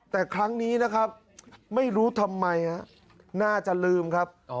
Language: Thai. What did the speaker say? แต่ครั้งนี้นะครับไม่รู้ทำไมน่าจะลืมครับ